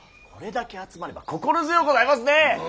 これだけ集まれば心強うございますね。